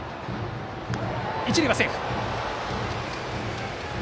一塁はセーフ。